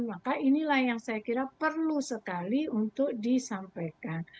maka inilah yang saya kira perlu sekali untuk disampaikan